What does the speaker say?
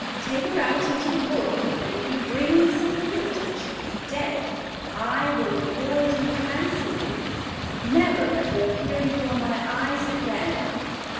Take her out into the wood, and if you bring me some proofs that she is dead, I will reward you handsomely. Never let her appear before my eyes again."